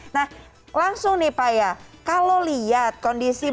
nah langsung nih pak ya kalau lihat kondisi mereka